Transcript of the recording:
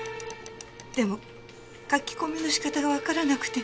でも書き込みの仕方がわからなくて。